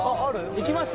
いきました？